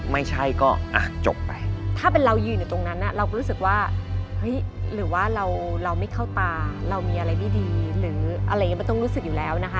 มีอะไรไม่ดีหรืออะไรอย่างงี้มันต้องรู้สึกอยู่แล้วนะคะ